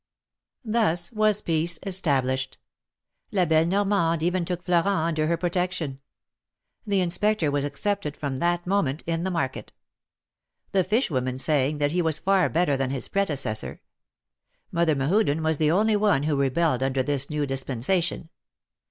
Thus was peace established; La belle Normande even took Florent under her protection. The Inspector was accepted from that moment in the market ; the fish women saying that he was far better than his predecessor. Mother Mehuden was the only one who rebelled under this new dispensation.